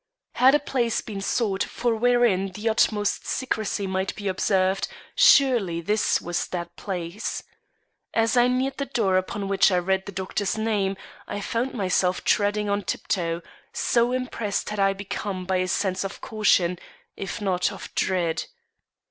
Had a place been sought for wherein the utmost secrecy might be observed, surely this was that place. As I neared the door upon which I read the doctor's name, I found myself treading on tip toe, so impressed had I become by a sense of caution, if not of dread.